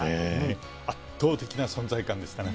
圧倒的な存在感でしたね。